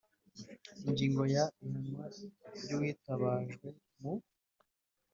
Ingingo ya Ihanwa ry uwitabajwe mu